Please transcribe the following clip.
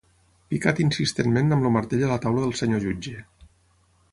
Picat insistentment amb el martell a la taula del senyor jutge.